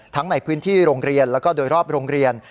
ทั้งในพื้นที่โรงเรียนแล้วก็โดยรอบโรงเรียน